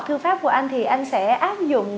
thư pháp của anh thì anh sẽ áp dụng